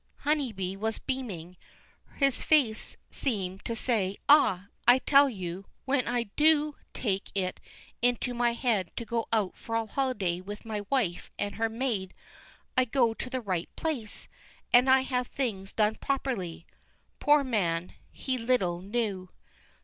Honeybee was beaming. His face seemed to say: "Ah! I tell you, when I do take it into my head to go out for a holiday with my wife and her maid, I go to the right place, and I have things done properly." Poor man he little knew.